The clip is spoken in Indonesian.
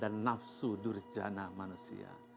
dan nafsu durjana manusia